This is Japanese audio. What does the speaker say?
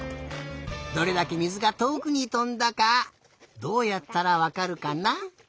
どれだけ水がとおくにとんだかどうやったらわかるかな？